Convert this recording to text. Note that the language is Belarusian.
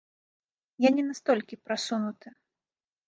Я не настолькі прасунуты.